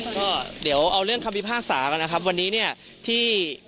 ก็เดี๋ยวเอาเรื่องคำพิพากษามานะครับวันนี้เนี่ยที่